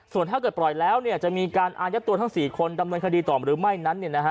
ส่วนถ้าเกิดปล่อยแล้วจะมีการอายัดตัวทั้ง๔คนดำเนินคดีต่อหรือไม่นั้น